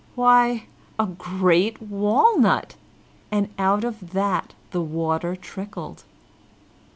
Why, a great walnut, and out of that the water trickled.